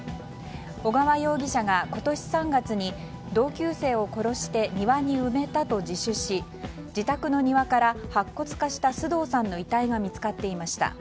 小川容疑者が今年３月に同級生を殺して庭に埋めたと自首し自宅の庭から白骨化した須藤さんの遺体が見つかっていました。